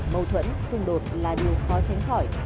mâu thuẫn xung đột là điều khó tránh khỏi